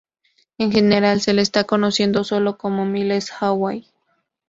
En general se le está conociendo sólo como "Miles Away".